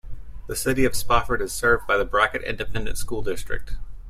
The City of Spofford is served by the Brackett Independent School District.